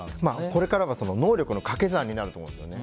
これからは能力の掛け算になると思うんですよね。